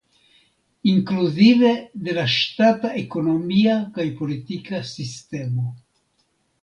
Inkluzive de la ŝtata ekonomia kaj politika sistemo.